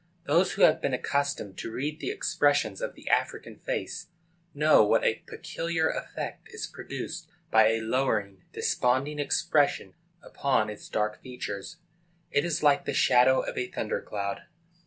Those who have been accustomed to read the expressions of the African face know what a peculiar effect is produced by a lowering, desponding expression upon its dark features. It is like the shadow of a thunder cloud.